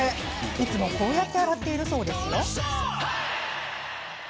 いつも、こうやって洗っているそうですよ。